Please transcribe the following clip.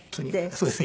そうですね。